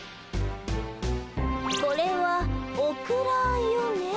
これはオクラよね。